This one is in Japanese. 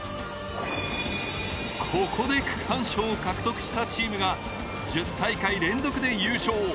ここで区間賞を獲得したチームが１０大会連続で優勝。